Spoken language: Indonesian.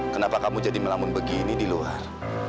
kenapa kamu jadi melamun begini di luar